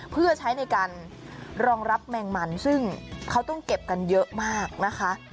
เพื่อใช้ในการรองรับแมงมันซึ่งเขาต้องเก็บกันเยอะมากนะคะ